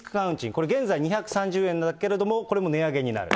これ、現在２３０円だけれども、これも値上げになる。